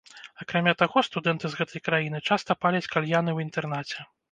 Акрамя таго, студэнты з гэтай краіны часта паляць кальяны ў інтэрнаце.